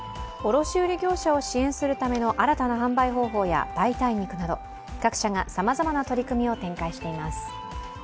卸売業者を支援するための新たな販売方法や代替肉など各社が、さまざまな取り組みを展開しています。